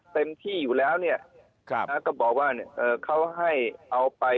เต็มที่อยู่แล้วเนี่ยก็บอกว่าเอ่อเขาให้เอาไป